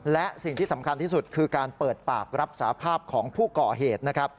และสิ่งที่สำคัญที่สุดคือการเปิดปากรับสาภาพของผู้ก่อเหตุนะครับ